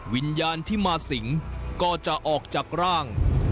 วิญญาณที่มาสิงก็จะออกจากร่าง